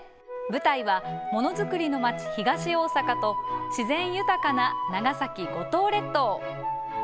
舞台は、ものづくりの町、東大阪と自然豊かな長崎・五島列島。